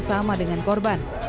bersama dengan korban